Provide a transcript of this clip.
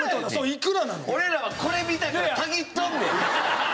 俺らはこれ見たからたぎっとんねん。